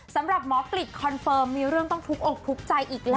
สำหรับหมอกริจคอนเฟิร์มมีเรื่องต้องทุกอกทุกข์ใจอีกแล้ว